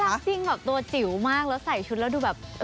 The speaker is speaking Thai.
น่ารักจริงตัวจิ๋วมากแล้วใส่ชุดได้ดูแบบ